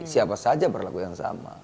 siapa saja berlaku yang sama